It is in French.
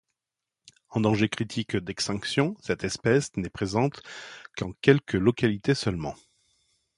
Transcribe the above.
En danger critique d’extinction, cette espèce n’est présente qu’en quelques localités seulement.